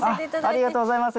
ありがとうございます。